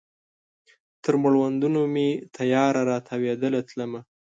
تر مړوندونو مې تیاره را تاویدله تلمه